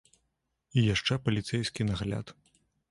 І яшчэ паліцэйскі нагляд.